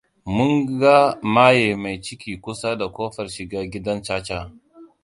Mun ga mage mai ciki kusa da ƙofar shiga gidan caca.